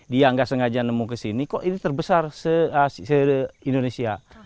dia nggak sengaja nemu ke sini kok ini terbesar se indonesia